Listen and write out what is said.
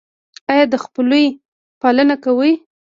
ایا د خپلوۍ پالنه کوئ؟